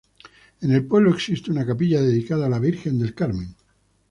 En el pueblo existe una capilla, dedicada a la Virgen del Carmen.